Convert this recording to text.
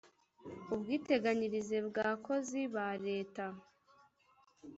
ubwiteganyirize bwa kozi ba reta .